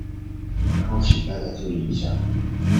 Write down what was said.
然後請大家注意一下